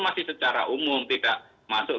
masih secara umum tidak masuk